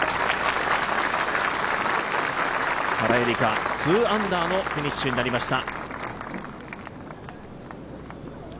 原英莉花、２アンダーのフィニッシュとなりました。